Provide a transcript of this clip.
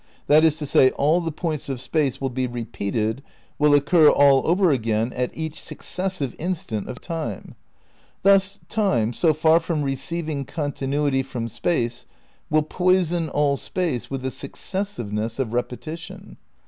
That is to say, all the points of Space will be repeated, will occur all over again at each successive instant of Time. Thus Time, so far from receiving continuity from Space will poison all Space with the successive ness of repetition.